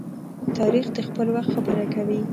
تاریخ د خپل وخت خبره کوي.